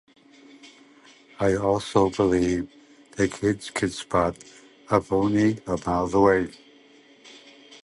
I also believe that kids can spot a phony a mile away.